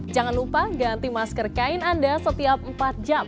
jangan lupa ganti masker kain anda setiap empat jam